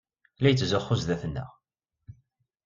La yettzuxxu zdat-neɣ.